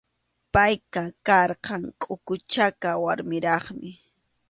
Payqa karqan kʼuku chaka warmiraqmi.